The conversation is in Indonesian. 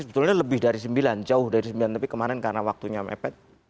sebetulnya lebih dari sembilan jauh dari sembilan tapi kemarin karena waktunya mepet